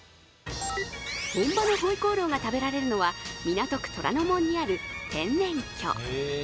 本場の回鍋肉が食べられるのは港区虎ノ門にある天然居。